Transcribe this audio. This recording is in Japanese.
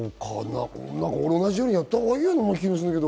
同じようにやったほうがいいような気がするんだけど。